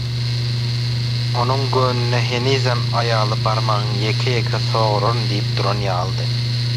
Onuň göwnüne henizem aýaly: «Barmagyňy ýeke-ýeke soguraryn» diýip duran ýalydy.